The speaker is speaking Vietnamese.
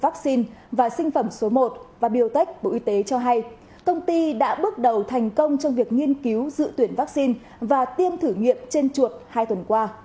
công ty đã bước đầu thành công trong việc nghiên cứu dự tuyển vaccine và tiêm thử nghiệm trên chuột hai tuần qua